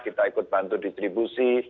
kita ikut bantu distribusi